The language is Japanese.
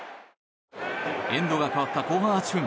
エンドが変わった後半８分。